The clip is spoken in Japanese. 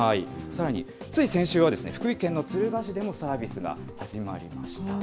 さらに、つい先週は福井県の敦賀市でもサービスが始まりました。